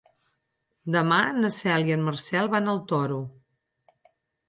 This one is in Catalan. Demà na Cel i en Marcel van al Toro.